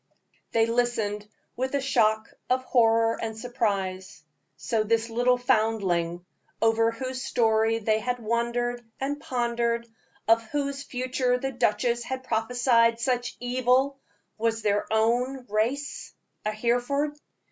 They listened with a shock of horror and surprise. So this little foundling, over whose story they had wondered and pondered, of whose future the duchess had prophesied such evil, was of their own race, a Hereford.